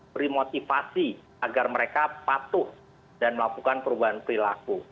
beri motivasi agar mereka patuh dan melakukan perubahan perilaku